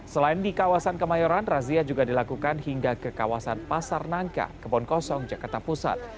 selain di kawasan kemayoran razia juga dilakukan hingga ke kawasan pasar nangka kebon kosong jakarta pusat